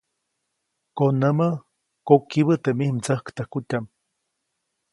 Konämä, kokibä teʼ mij mdsäktäjkutyaʼm.